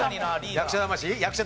役者魂？